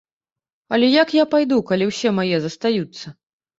Але як я пайду, калі ўсе мае застаюцца?